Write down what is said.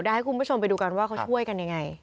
ให้คุณผู้ชมไปดูกันว่าเขาช่วยกันยังไง